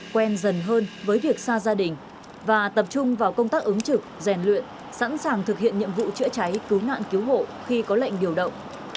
quen dần hơn với việc xa gia đình và tập trung vào công tác ứng trực rèn luyện sẵn sàng thực hiện nhiệm vụ chữa cháy cứu nạn cứu hộ khi có lệnh điều động